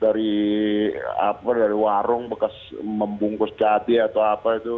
dari warung bekas membungkus jati atau apa itu